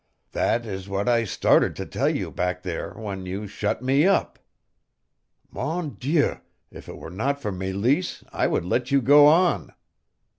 That is what I started to tell you back there when you shut me up. Mon Dieu, if it were not for Meleese I would let you go on.